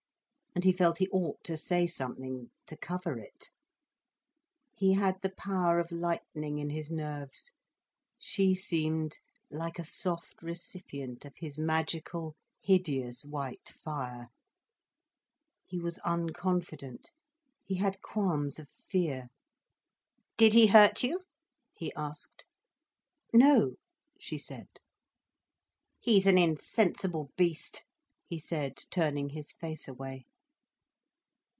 And he felt he ought to say something, to cover it. He had the power of lightning in his nerves, she seemed like a soft recipient of his magical, hideous white fire. He was unconfident, he had qualms of fear. "Did he hurt you?" he asked. "No," she said. "He's an insensible beast," he said, turning his face away.